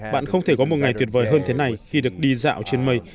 bạn không thể có một ngày tuyệt vời hơn thế này khi được đi dạo trên mây